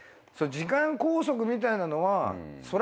時間拘束みたいなのはそら